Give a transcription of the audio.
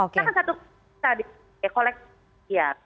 kita kan satu kubu kita di koleksi